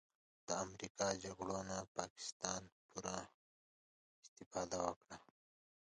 د امریکا جګړو نه پاکستان پوره استفاده وکړله